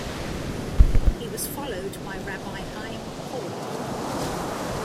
He was followed by Rabbi Chaim Korb.